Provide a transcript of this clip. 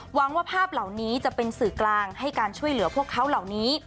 หวังว่าภาพเหล่านี้จะเป็นสื่อกลางให้การช่วยเหลือพวกเขาเหล่านี้